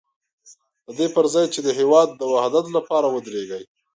د دې پر ځای چې د هېواد د وحدت لپاره ودرېږي.